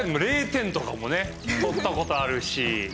０点とかもねとったことあるし。